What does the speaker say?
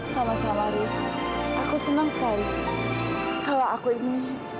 sama sama riz aku senang sekali